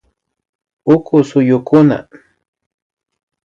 Uku suyukuna